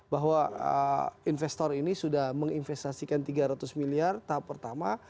bahwa investor ini sudah menginvestasikan tiga ratus miliar tahap pertama